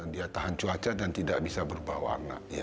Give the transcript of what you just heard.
dia tahan cuaca dan tidak bisa berubah warna